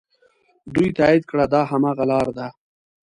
دوی تایید کړه دا هماغه لاره ده.